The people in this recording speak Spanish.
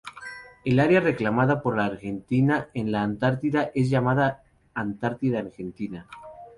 El área reclamada por la Argentina en la Antártida es llamada Antártida Argentina.